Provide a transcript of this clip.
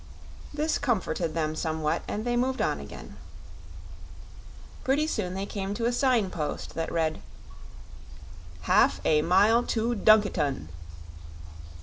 This comforted them somewhat, and they moved on again. Pretty soon they came to a signpost that read: "HAF A MYLE TO DUNKITON."